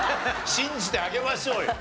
信じてあげましょうよ。